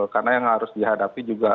karena yang harus dihadapi juga